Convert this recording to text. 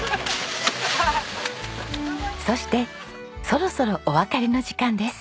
そしてそろそろお別れの時間です。